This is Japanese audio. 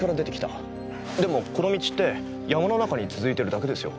でもこの道って山の中に続いてるだけですよ。